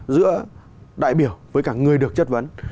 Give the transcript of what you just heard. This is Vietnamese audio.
giữa đại biểu với cả người được chất vấn